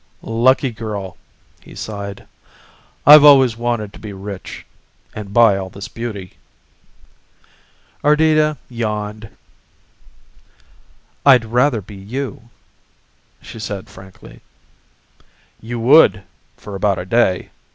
"Lucky girl," he sighed "I've always wanted to be rich and buy all this beauty." Ardita yawned. "I'd rather be you," she said frankly. "You would for about a day.